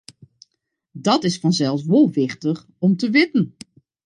Dat is fansels wol wichtich om te witten.